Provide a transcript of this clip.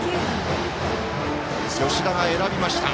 吉田が選びました。